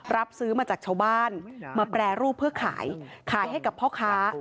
รับซื้อมาจากชาวบ้านมาแปรรูปเพื่อขายขายให้กับพ่อค้า